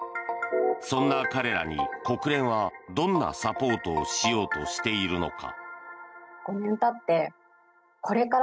そんな彼らに、国連はどんなサポートをしようとしているのか。